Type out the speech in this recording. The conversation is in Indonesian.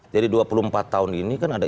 jadi dua puluh empat tahun ini kan ada